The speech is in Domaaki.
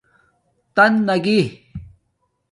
تناگئی